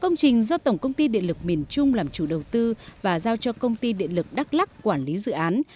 công trình do tổng công ty điện lực miền trung làm chủ đầu tư và giao cho công ty điện lực đắk lắc quản lý dự án